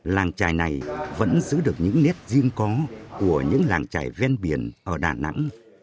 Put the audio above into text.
làng trại này vẫn giữ được những nét riêng có của những làng trại ven biển ở đà nẵng